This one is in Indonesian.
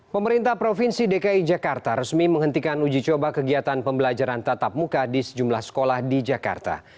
pemerintah provinsi dki jakarta resmi menghentikan uji coba kegiatan pembelajaran tatap muka di sejumlah sekolah di jakarta